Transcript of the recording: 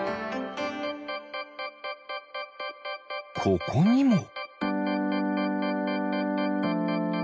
ここにも。